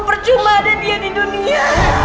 percuma ada dia di dunia